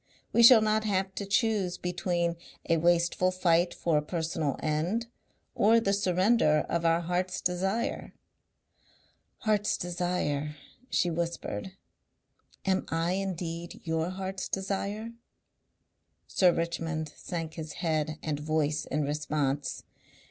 We shall not have to choose between a wasteful fight for a personal end or the surrender of our heart's desire." "Heart's desire," she whispered. "Am I indeed your heart's desire?" Sir Richmond sank his head and voice in response.